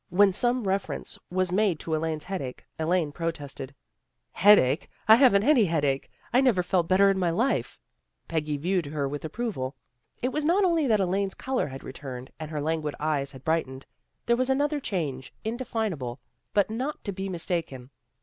When some reference was made to Elaine's headache, Elaine protested. " Headache! I haven't any headache. I never felt better in my life." A REMARKABLE EVENING 297 Peggy viewed her with approval. It was not only that Elaine's color had returned, and her languid eyes had brightened. There was another change, indefinable, but not to be mis taken.